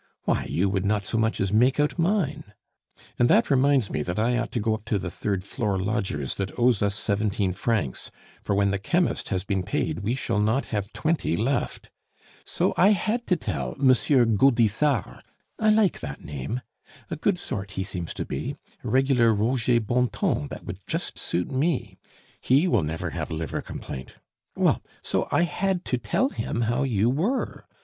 why, you would not so much as make out mine.... And that reminds me that I ought to go up to the third floor lodger's that owes us seventeen francs, for when the chemist has been paid we shall not have twenty left. So I had to tell M. Gaudissart (I like that name), a good sort he seems to be, a regular Roger Bontemps that would just suit me. He will never have liver complaint! Well, so I had to tell him how you were.